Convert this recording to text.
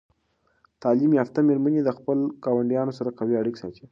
تعلیم یافته میرمنې د خپلو ګاونډیانو سره قوي اړیکې ساتي.